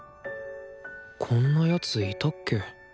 こんな奴いたっけ？